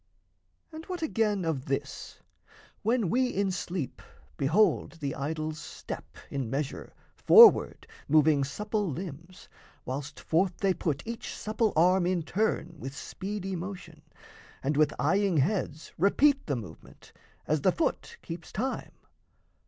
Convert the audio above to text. And what, again, of this: When we in sleep behold the idols step, In measure, forward, moving supple limbs, Whilst forth they put each supple arm in turn With speedy motion, and with eyeing heads Repeat the movement, as the foot keeps time?